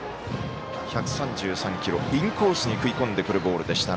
１３３キロ、インコースに食い込んでくるボールでした。